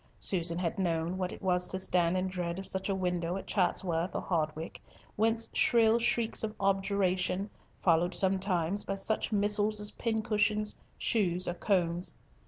Susan had known what it was to stand in dread of such a window at Chatsworth or Hardwicke, whence shrill shrieks of objurgation, followed sometimes by such missiles as pincushions, shoes, or combs.